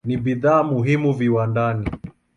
Ni bidhaa muhimu viwandani.